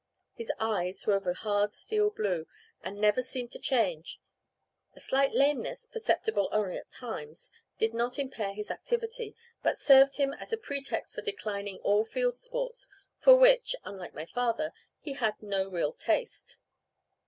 His eyes were of a hard steel blue, and never seemed to change. A slight lameness, perceptible only at times, did not impair his activity, but served him as a pretext for declining all field sports, for which (unlike my father) he had no real taste.